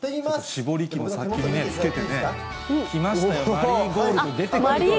絞り器の先につけてね、きましたよ、マリーゴールド、出てくると思いましたよ。